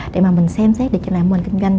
để mà mình xem xét để cho lại nguồn kinh doanh